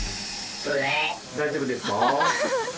大丈夫ですか？